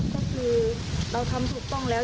ก็คือเราทำถูกต้องแล้ว